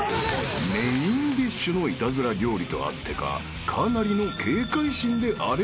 ［メインディッシュのイタズラ料理とあってかかなりの警戒心で荒れるチョイスタイム］